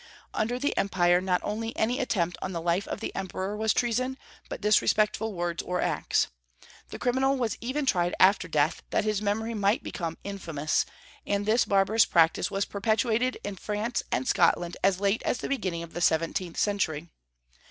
Under the empire not only any attempt on the life of the Emperor was treason, but disrespectful words or acts. The criminal was even tried after death, that his memory might become infamous; and this barbarous practice was perpetuated in France and Scotland as late as the beginning of the seventeenth century.